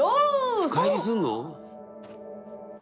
深入りすんの？